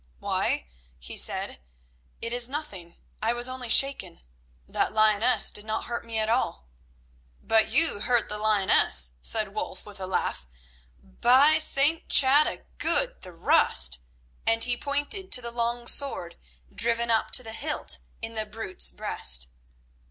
"Why," he said, "it is nothing; I was only shaken. That lioness did not hurt me at all." "But you hurt the lioness," said Wulf, with a laugh. "By St. Chad a good thrust!" and he pointed to the long sword driven up to the hilt in the brute's breast.